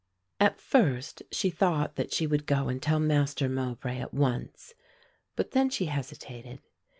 At first she thought that she would go and tell Master Mowbray at once, but then she hesitated.